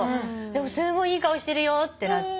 でもすごいいい顔してるよって。